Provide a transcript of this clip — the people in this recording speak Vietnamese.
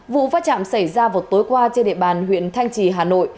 vụ phát trạm xảy ra vào tối qua trên địa bàn huyện thanh trì hà nội